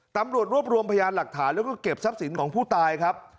ตำรวจรวบรวมพยานหลักฐานแล้วก็เก็บทรัพย์สินของผู้ตายครับ